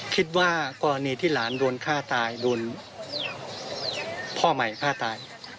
คิดว่ากรณีที่หลานโดนฆ่าตายโดนพ่อใหม่ฆ่าตาย